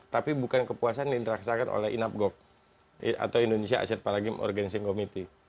tapi bukan kepuasan yang dirasakan oleh inapgok atau indonesia asian paragame organizing committee